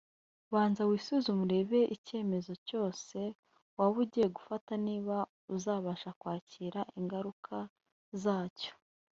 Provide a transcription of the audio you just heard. Banza wisuzume urebe icyemezo cyose waba ugiye gufata niba uzabasha kwakira ingaruka zacyo